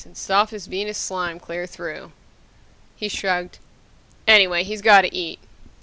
and soft as Venus slime clear through!_ He shrugged. "Anyway, he's got to eat."